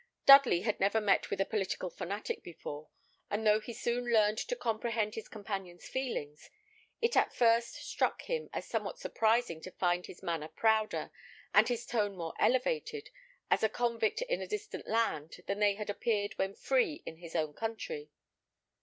Dudley had never met with a political fanatic before; and though he soon learned to comprehend his companion's feelings, it at first struck him as somewhat surprising to find his manner prouder, and his tone more elevated, as a convict in a distant land, than they had appeared when free in his own country.